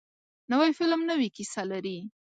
نوی فلم نوې کیسه لري